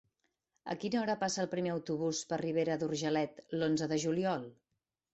A quina hora passa el primer autobús per Ribera d'Urgellet l'onze de juliol?